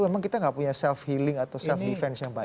memang kita nggak punya self healing atau self defense yang baik